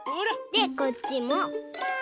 でこっちもポン！